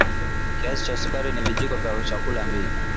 kiasi cha sukari ni vijiko vya chakula mbili